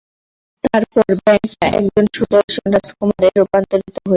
তারপর, ব্যাঙটা একজন সুদর্শন রাজকুমারে রূপান্তরিত হয়েছিল।